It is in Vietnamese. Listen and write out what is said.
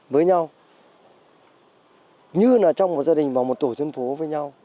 với nhau như là trong một gia đình vào một tổ dân phố với nhau